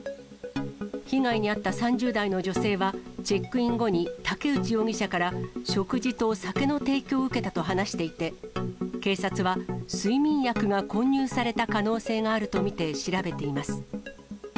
被害に遭った３０代の女性は、チェックイン後に武内容疑者から食事と酒の提供を受けたと話していて、警察は睡眠薬が混入された可能性があると見て調べています。